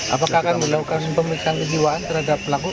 apakah akan melakukan pemeriksaan kejiwaan terhadap pelaku